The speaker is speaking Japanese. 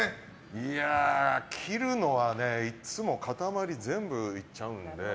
いやあ、切るのはいつも塊全部いっちゃうので。